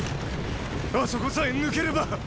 あそこさえ抜ければ！